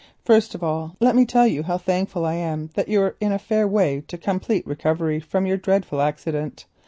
First of all, let me say how thankful I am that you are in a fair way to complete recovery from your dreadful accident.